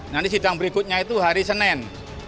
nanti sidang berikutnya itu hari senin